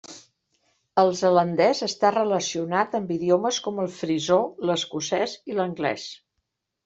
El zelandès està relacionat amb idiomes com el frisó, l'escocès i l'anglès.